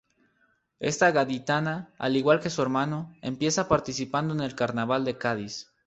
Esta gaditana, al igual que su hermano, empieza participando en el Carnaval de Cádiz.